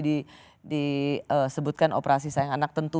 disebutkan operasi sayang anak tentu